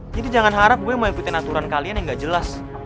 jadi jangan harap gue mau ikutin aturan kalian yang gak jelas